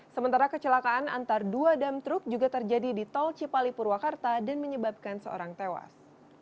sementara kecelakaan antar dua dam truk juga terjadi di tol cipali purwakarta dan menyebabkan seorang tewas